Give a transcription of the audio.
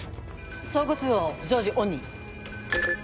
相互通話を常時オンに。